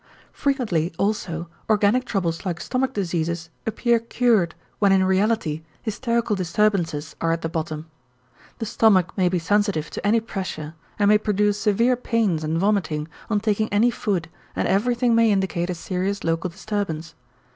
Frequently also organic troubles like stomach diseases appear cured when in reality hysterical disturbances are at the bottom. The stomach may be sensitive to any pressure and may produce severe pains and vomiting on taking any food and everything may indicate a serious local disturbance.